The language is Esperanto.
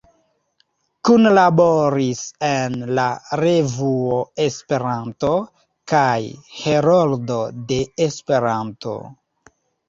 Kunlaboris en "La Revuo, Esperanto" kaj "Heroldo de Esperanto.